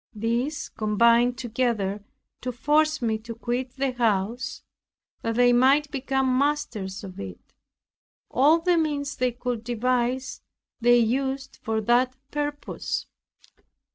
These combined together to force me to quit the house, that they might become masters of it. All the means they could devise they used for that purpose.